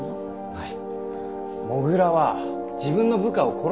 はい。